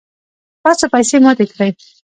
تاسو پیسی ماتی کړئ